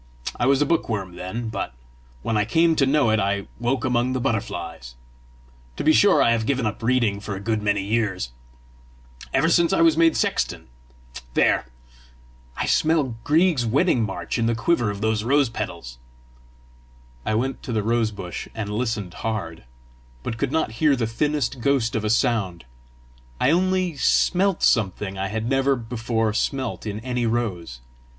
I was a bookworm then, but when I came to know it, I woke among the butterflies. To be sure I have given up reading for a good many years ever since I was made sexton. There! I smell Grieg's Wedding March in the quiver of those rose petals!" I went to the rose bush and listened hard, but could not hear the thinnest ghost of a sound; I only smelt something I had never before smelt in any rose.